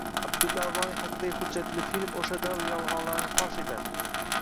Abdulla Avloniy haqidagi hujjatli film o‘sha davr yolg‘onlarini fosh etadi